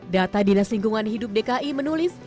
data dinas lingkungan hidup dki menulis